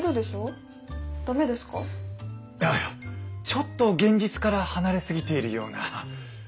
ちょっと現実から離れ過ぎているような。